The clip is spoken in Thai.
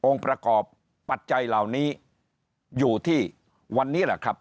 ประกอบปัจจัยเหล่านี้อยู่ที่วันนี้แหละครับ